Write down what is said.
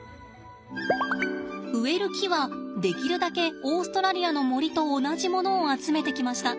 植える木はできるだけオーストラリアの森と同じものを集めてきました。